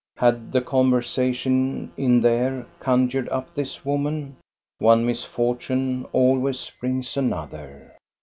Had the conversation in there conjured up this woman? One misfortune always brings another.